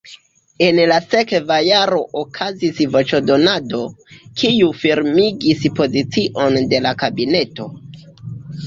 En la sekva jaro okazis voĉdonado, kiu firmigis pozicion de la kabineto.